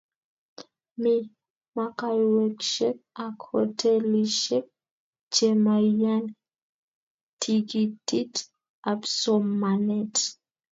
mi makawesheck ak hotelisheck chemaiyani tikitit ab somanet